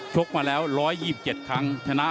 กมาแล้ว๑๒๗ครั้งชนะ